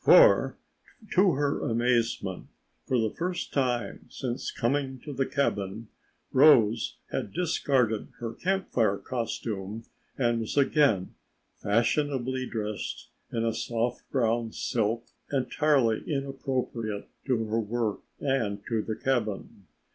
For, to her amazement, for the first time since coming to the cabin, Rose had discarded her Camp Fire costume and was again fashionably dressed in a soft brown silk entirely inappropriate to her work and to the cabin.